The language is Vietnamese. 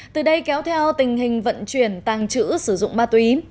từ đây kéo theo tình hình vận chuyển tàng trữ sử dụng ma túy